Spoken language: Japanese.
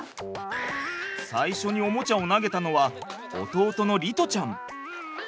最初におもちゃを投げたのは弟の璃士ちゃん。